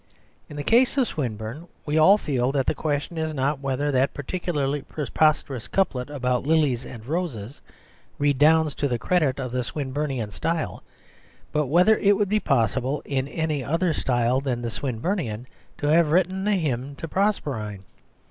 In the case of Swinburne, we all feel that the question is not whether that particular preposterous couplet about lilies and roses redounds to the credit of the Swinburnian style, but whether it would be possible in any other style than the Swinburnian to have written the Hymn to Proserpine.